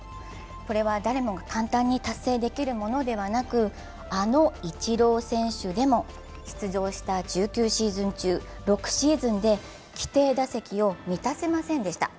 これは誰もが簡単に達成できるものではなく、あのイチロー選手でも出場した１９シーズン中、６シーズンで規定打席を満たせませんでした。